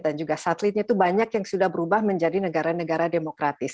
dan juga satelitnya itu banyak yang sudah berubah menjadi negara negara demokratis